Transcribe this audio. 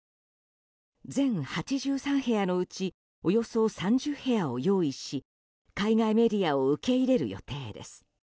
全８３部屋のうちおよそ３０部屋を用意し海外メディアを受け入れる予定です。